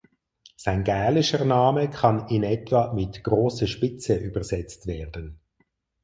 Sein gälischer Name kann in etwa mit "Große Spitze" übersetzt werden.